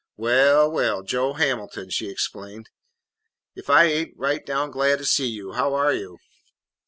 "Well, well, Joe Hamilton," she exclaimed, "if I ain't right down glad to see you! How are you?"